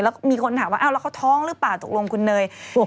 แล้วมีคนถามว่าแล้วเขาท้องหรือเปล่าตกลงคุณเนย